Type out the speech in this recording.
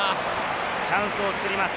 チャンスを作ります。